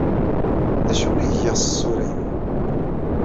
D acu ay giɣ s tsura-inu?